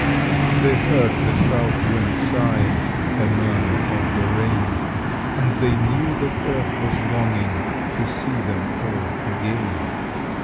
They heard the South wind sighing A murmur of the rain; And they knew that Earth was longing To see them all again.